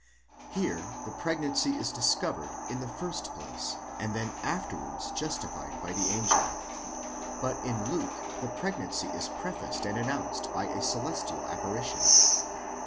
Here the pregnancy is discovered in the first place, and then afterwards justified by the angel ; but in Luke the pregnancy is pre faced and announced by a celestial apparition.